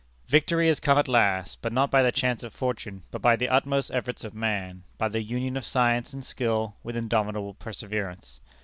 Victory has come at last, but not by the chance of fortune, but by the utmost efforts of man, by the union of science and skill with indomitable perseverance.